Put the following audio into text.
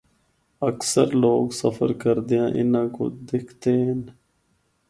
اکثر لوگ سفر کردیاں اِناں کو دکھدے ہن۔